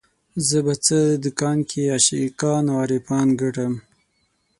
زه په څه دکان کې عاشقان او عارفان ګټم